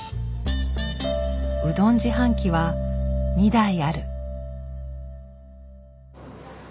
うどん自販機は２台ある。